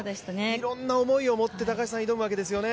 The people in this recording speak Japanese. いろんな思いをもって挑むわけですね。